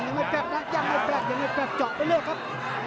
ดูครับยังยังยังยังไม่แปลกเลยครับ